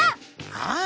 ああ。